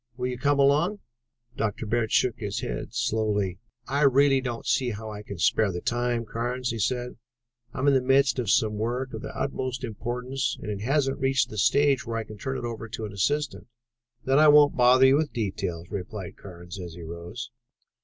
"Will you come along?" Dr. Bird shook his head slowly. "I really don't see how I can spare the time, Carnes," he said. "I am in the midst of some work of the utmost importance and it hasn't reached the stage where I can turn it over to an assistant." "Then I won't bother you with the details," replied Carnes as he rose.